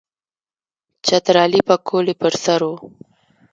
چترالی پکول یې پر سر وو.